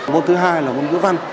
môn thứ hai là môn ngữ văn